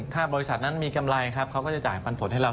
ถ้าบริษัทนั้นมีกำไรครับเขาก็จะจ่ายปันผลให้เรา